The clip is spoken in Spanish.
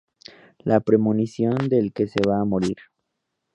La premonición del que se va a morir.